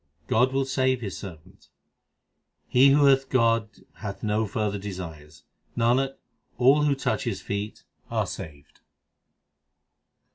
God will save His servant : He who hath God hath no further desires ; Nanak, all who touch His feet are saved.